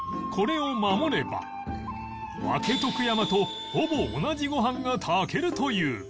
これを守れば分とく山とほぼ同じご飯が炊けるという